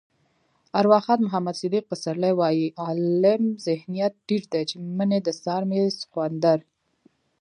ارواښاد محمد صدیق پسرلی وایي: عام ذهنيت ټيټ دی چې مني د سامري سخوندر.